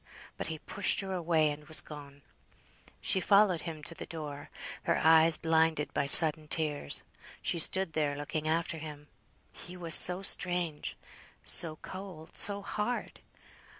But he pushed her away, and was gone. She followed him to the door, her eyes blinded by sudden tears; she stood there looking after him. He was so strange, so cold, so hard.